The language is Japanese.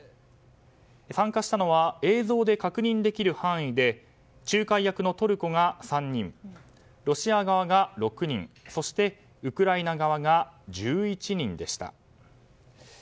参加したのは映像で確認できる範囲で仲介役のトルコが３人ロシア側が６人そして、ウクライナ側が１１人でした。